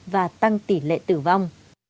và tăng tỷ lệ tử vong